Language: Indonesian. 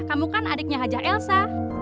kamu kan adiknya hajah elsa